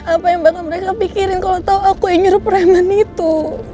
apa yang bakal mereka pikirin kalau tahu aku ingin nyuruh preman itu